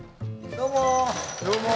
どうも。